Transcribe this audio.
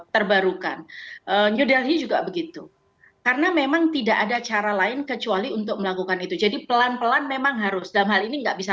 terbarukan new delhi juga begitu karena memang tidak ada cara lain kecuali untuk melakukan itu jadi pelan pelan memang harus dalam hal ini enggak bisa